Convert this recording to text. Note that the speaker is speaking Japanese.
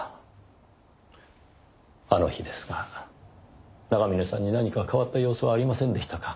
あの日ですが長峰さんに何か変わった様子はありませんでしたか？